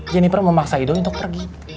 jeniper memaksa ido untuk pergi